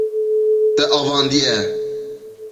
Te avandiye.